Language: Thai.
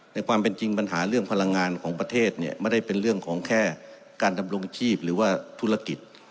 ในความเป็นจริงปัญหาเรื่องพลังงานของประเทศเนี่ยไม่ได้เป็นเรื่องของแค่การดำรงชีพหรือว่าธุรกิจ